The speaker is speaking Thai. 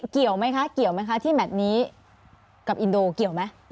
เกี่ยวไหมคะที่แมทนี้กับอินโดเกี่ยวไหม